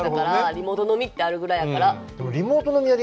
リモート飲みってあるくらいやから。